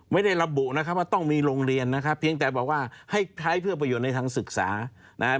ไม่ได้ระบุนะครับว่าต้องมีโรงเรียนนะครับเพียงแต่บอกว่าให้ใช้เพื่อประโยชน์ในทางศึกษานะครับ